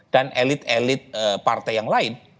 dan elit elit partai yang lain